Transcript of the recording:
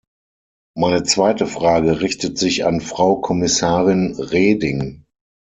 Meine zweite Frage richtet sich an Frau Kommissarin Reding.